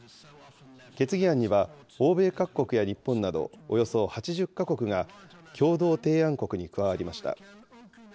決議案には、欧米各国や日本など、およそ８０か国が、共同提案国に加わりました。